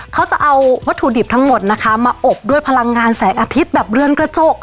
เขาจะเอาวัตถุดิบทั้งหมดนะคะมาอบด้วยพลังงานแสงอาทิตย์แบบเรือนกระจก